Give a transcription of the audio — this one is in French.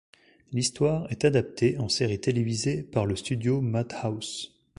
L'histoire est adaptée en série télévisée par le studio Madhouse.